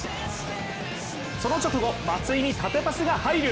その直後、松井に縦パスが入る。